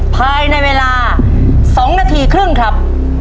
ภายในเวลา๒นาทีครึ่งครับ